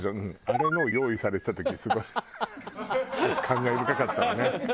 あれのを用意されてた時すごいちょっと感慨深かったわね